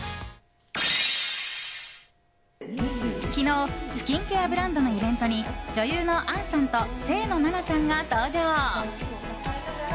昨日、スキンケアブランドのイベントに女優の杏さんと清野菜名さんが登場。